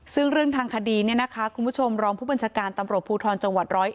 ซึ่งเรื่องทางคดีเนี่ยนะคะคุณผู้ชมรองผู้บัญชาการตำรวจภูทรจังหวัด๑๐๑